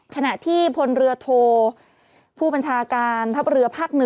ขณะที่พลเรือโทผู้บัญชาการทัพเรือภาค๑